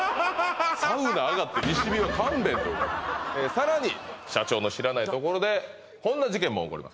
さらに社長の知らないところでこんな事件も起こります